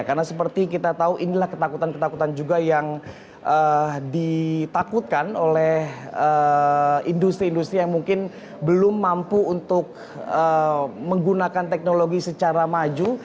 karena seperti kita tahu inilah ketakutan ketakutan juga yang ditakutkan oleh industri industri yang mungkin belum mampu untuk menggunakan teknologi secara maju